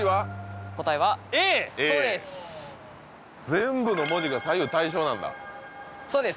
全部の文字が左右対称なんだそうです